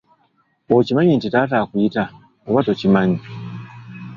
Okimanyi nti taata akuyita oba tokimanyi?